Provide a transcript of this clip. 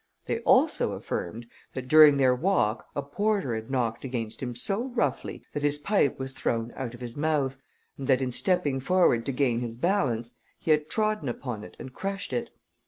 They also affirmed, that during their walk, a porter had knocked against him so roughly, that his pipe was thrown out of his mouth, and that in stepping forward to gain his balance, he had trodden upon it, and crushed it.